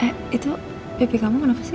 eh itu happ kamu kenapa sih